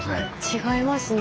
違いますね。